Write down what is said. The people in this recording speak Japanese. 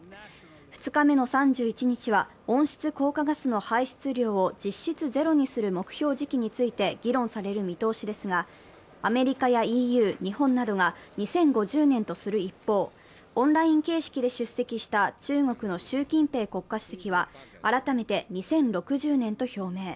２日目の３１日は温室効果ガスの排出量を実質ゼロにする目標時期について議論される見通しですが、アメリカやＥＵ、日本などが２０５０年とする一方、オンライン形式で出席した中国の習近平国家主席は改めて２０６０年と表明。